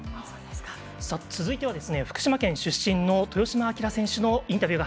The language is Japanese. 続いては、福島県出身の豊島英選手のインタビューです。